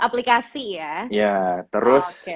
aplikasi ya ya terus